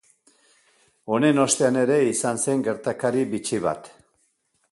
Honen ostean ere izan zen gertakari bitxi bat.